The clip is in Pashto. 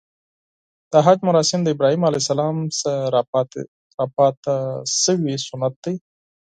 د حج مراسم د ابراهیم ع څخه راپاتې شوی سنت دی .